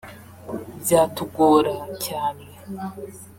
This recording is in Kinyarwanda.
byatugora cyane